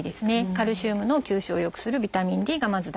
カルシウムの吸収を良くするビタミンＤがまず大事。